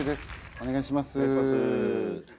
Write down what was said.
お願いします。